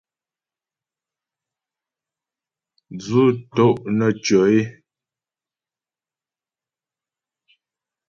Dzʉ́ tó’ nə́ tʉɔ é.